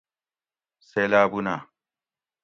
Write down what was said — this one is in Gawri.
سیلابونہ